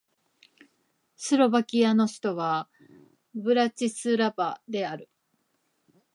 スロバキアの首都はブラチスラバである